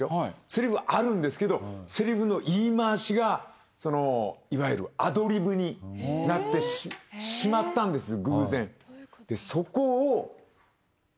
セリフはあるんですけどセリフの言い回しがいわゆるアドリブになってしまったんです